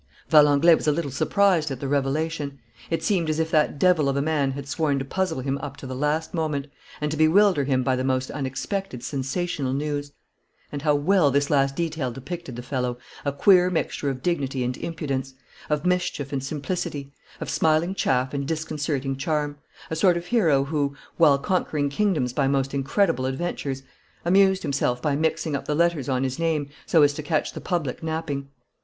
Valenglay was a little surprised at the revelation. It seemed as if that devil of a man had sworn to puzzle him up to the last moment and to bewilder him by the most unexpected sensational news. And how well this last detail depicted the fellow, a queer mixture of dignity and impudence, of mischief and simplicity, of smiling chaff and disconcerting charm, a sort of hero who, while conquering kingdoms by most incredible adventures, amused himself by mixing up the letters on his name so as to catch the public napping!